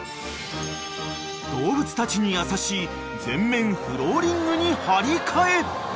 ［動物たちに優しい全面フローリングに張り替え］